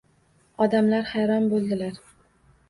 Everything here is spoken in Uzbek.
Odamlar hayron bo`ldilar